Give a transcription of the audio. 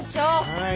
はい。